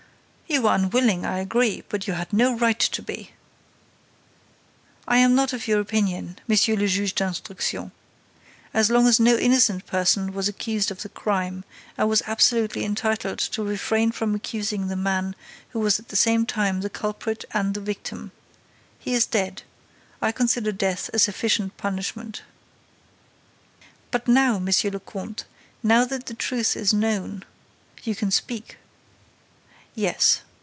"You were unwilling, I agree, but you had no right to be." "I am not of your opinion, Monsieur le Juge d'Instruction. As long as no innocent person was accused of the crime, I was absolutely entitled to refrain from accusing the man who was at the same time the culprit and the victim. He is dead. I consider death a sufficient punishment." "But now, Monsieur le Comte, now that the truth is known, you can speak." "Yes.